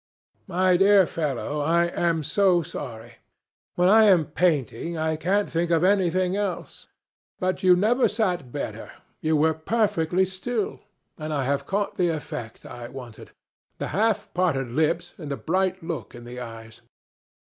"My dear fellow, I am so sorry. When I am painting, I can't think of anything else. But you never sat better. You were perfectly still. And I have caught the effect I wanted—the half parted lips and the bright look in the eyes.